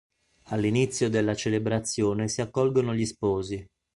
All'inizio della celebrazione si accolgono gli sposi.